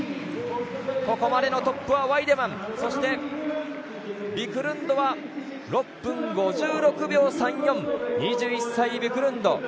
ここまでのトップはワイデマンそしてビクルンドは６分５６秒３４２１歳・ビクルンド